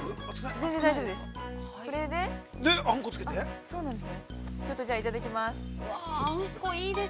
◆全然大丈夫です。